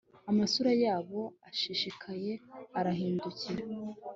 amasura yabo ashishikaye arahindukira